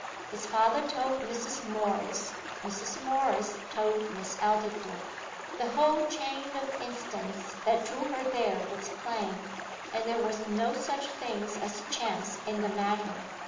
'His father told Mrs. Morris; Mrs. Morris told Miss Aldclyffe.' The whole chain of incidents that drew her there was plain, and there was no such thing as chance in the matter.